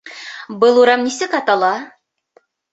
Был урам нисек атала?